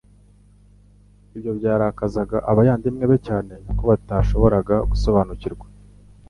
Ibyo byarakazaga abayandimwe be cyane kuko batashoboraga gusobanukirwa